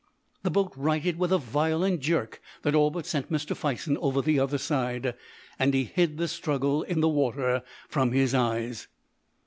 The boat righted with a violent jerk that all but sent Mr. Fison over the other side, and hid the struggle in the water from his eyes.